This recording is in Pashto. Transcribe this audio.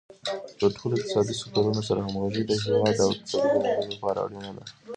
د ټولو اقتصادي سکتورونو سره همغږي د هیواد د اقتصادي پرمختګ لپاره اړینه ده.